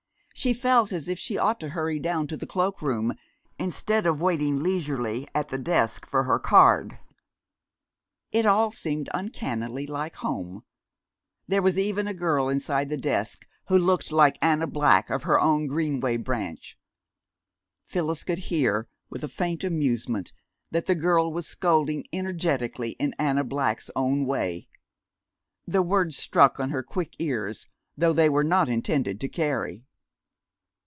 She felt as if she ought to hurry down to the cloak room, instead of waiting leisurely at the desk for her card. It all seemed uncannily like home there was even a girl inside the desk who looked like Anna Black of her own Greenway Branch. Phyllis could hear, with a faint amusement, that the girl was scolding energetically in Anna Black's own way. The words struck on her quick ears, though they were not intended to carry.